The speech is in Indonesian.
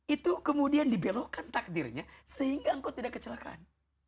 itu kemudian dibelokkan takdirnya sehingga engkau tidak kecelakaan